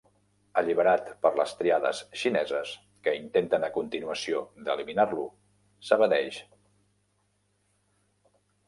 Alliberat per les triades xineses, que intenten a continuació d'eliminar-lo, s'evadeix.